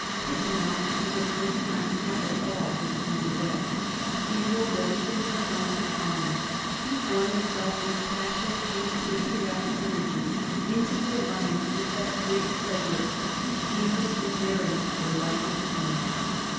Pitt now for the first time had it all his own way. He ruled everything in the House of Commons. He flung himself with passionate and patriotic energy into the alii 1757. STERNE. 299 m ance with that great Frederick whose genius and daring were like his own.